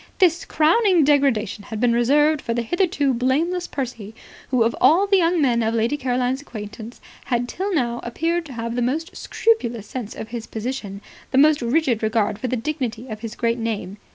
This crowning degradation had been reserved for the hitherto blameless Percy, who, of all the young men of Lady Caroline's acquaintance, had till now appeared to have the most scrupulous sense of his position, the most rigid regard for the dignity of his great name.